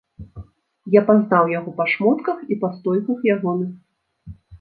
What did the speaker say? Я пазнаў яго па шмотках і па стойках ягоных.